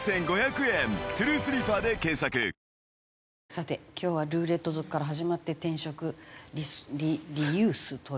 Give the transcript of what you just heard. さて今日はルーレット族から始まって転職リユースという。